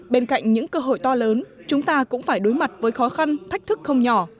bên cạnh những cơ hội to lớn chúng ta cũng phải đối mặt với khó khăn thách thức không nhỏ